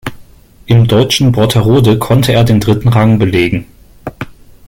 Im deutschen Brotterode konnte er den dritten Rang belegen.